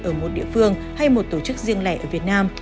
ở một địa phương hay một tổ chức riêng lẻ ở việt nam